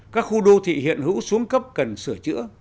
các khu đô thị hiện hữu xuống cấp cần sửa chữa